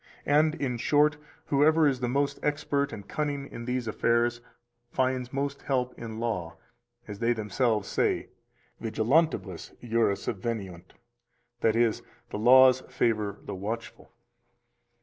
And, in short, whoever is the most expert and cunning in these affairs finds most help in law, as they themselves say: Vigilantibus iura subveniunt [that is, The laws favor the watchful].